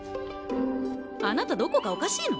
あなたどこかおかしいの？